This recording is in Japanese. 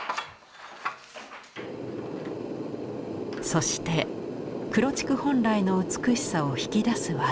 そして黒竹本来の美しさを引き出す技。